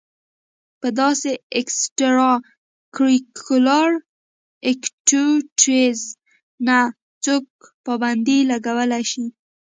پۀ داسې اېکسټرا کريکولر ايکټويټيز نۀ څوک پابندي لګولے شي